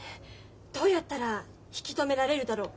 どうやったら引き止められるだろ。